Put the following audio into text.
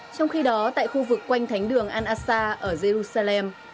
trong khi đó tại khu vực quanh thánh đường al asa ở jerusalem